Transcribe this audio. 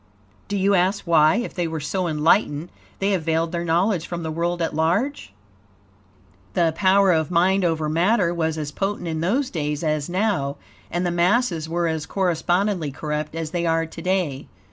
Do you ask why, if they were so enlightened, they have veiled their knowledge from the world at large? The power of mind over matter was as potent in those days as now, and the masses were as correspondingly corrupt as they are today.